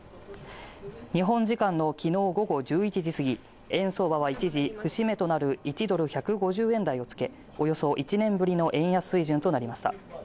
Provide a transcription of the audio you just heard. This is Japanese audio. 日本時間のきのう午後１１時すぎ円相場は一時節目となる１ドル＝１５０円台をつけおよそ１年ぶりの円安水準となりました